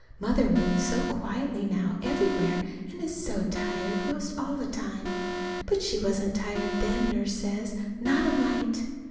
Mother moves so quietly now, everywhere, and is so tired, 'most all the time.) But she wasn't tired then, Nurse says not a mite.